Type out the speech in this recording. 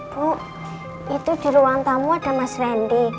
bu itu di ruang tamu ada mas randy